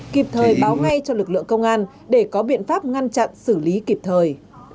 kịp thời báo ngay cho lực lượng công an để có biện pháp ngăn chặn xử lý kịp thời